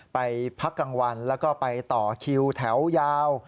ไปพักกลางวันแล้วก็ไปต่อคิวแถวยาว